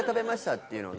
っていうの。